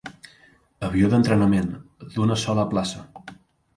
Avió d'entrenament, d'una sola plaça.